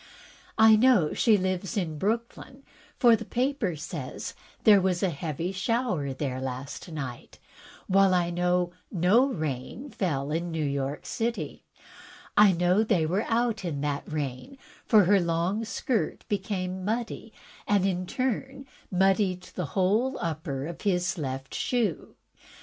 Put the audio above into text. I know she lives in Brooklyn, for the paper says there was a heavy shower there last night, while I know no rain fell in New York. I know that they were out in that rain, for her long skirt became muddy, and in turn muddied the whole upper of his left shoe.